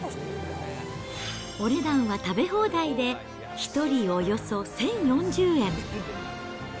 お値段は食べ放題で１人およそ１０４０円。